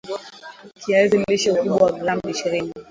Kiazi lishe ukubwa wa gram ishirini